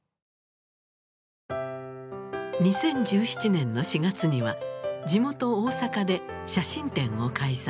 ２０１７年の４月には地元大阪で写真展を開催。